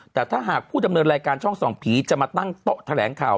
แต่ถ้าหากผู้ดำเนินรายการช่องส่องผีจะมาตั้งโต๊ะแถลงข่าว